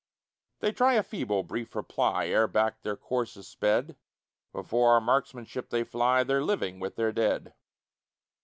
They try a feeble, brief reply Ere back their course is sped. Before our marksmanship they fly, Their living with their dead.